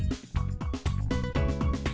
hẹn gặp lại